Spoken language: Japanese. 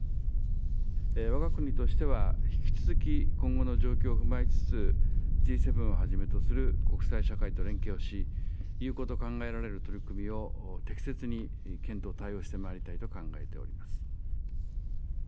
わが国としては、引き続き今後の状況を踏まえつつ、Ｇ７をはじめとする国際社会と連携をし、有効と考えられる取り組みを適切に検討、対応してまいりたいと考えています。